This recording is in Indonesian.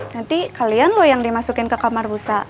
nanti kalian loh yang dimasukin ke kamar busa